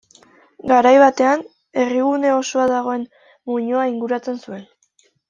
Garai batean herrigune osoa dagoen muinoa inguratzen zuen.